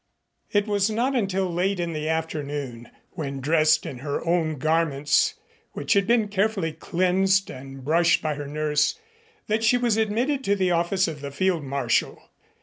It was not until late in the afternoon, when dressed in her own garments, which had been carefully cleansed and brushed by her nurse, that she was admitted to the office of the Field Marshal.